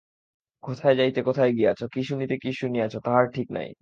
কোথায় যাইতে কোথায় গিয়াছ, কী শুনিতে কী শুনিয়াছ তাহার ঠিক নাই।